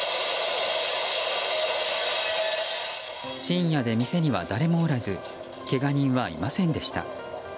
深夜で店には誰もおらずけが人はいませんでした。